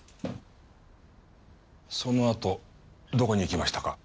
そのあとどこに行きましたか？